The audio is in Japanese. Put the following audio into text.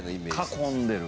囲んでる？